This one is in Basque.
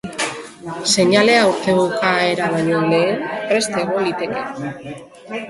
Seinalea urte bukaera baino lehen prest egon liteke.